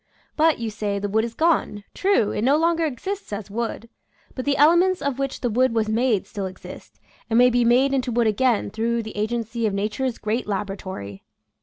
But, you say, the wood is gone; true, it no longer exists as wood, but the ele ments of which the wood was made still exist, and may be made into wood again through the agency of nature's great laboratory.